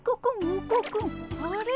あれ？